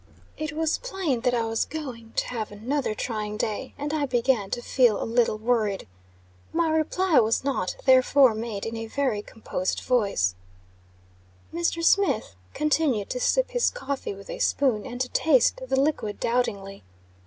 It was plain that I was going to have another trying day; and I began to feel a little worried. My reply was not, therefore, made in a very composed voice. Mr. Smith continued to sip his coffee with a spoon, and to taste the liquid doubtingly.